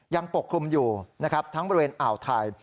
ยังปกครุมอยู่ทั้งบริเวณอ่าวไทย